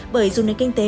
bởi dù nền kinh tế